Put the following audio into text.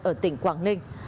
ở tỉnh quảng ninh